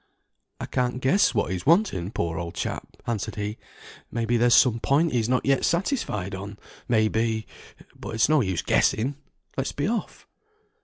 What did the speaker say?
"I can't guess what he's wanting, poor old chap," answered he. "May be there's some point he's not yet satisfied on; may be but it's no use guessing; let's be off."